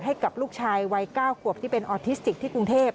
ให้กับลูกชายวัย๙ขวบที่เป็นออทิสติกที่กรุงเทพ